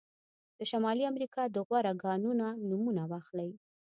د شمالي امریکا د غوره کانونه نومونه واخلئ.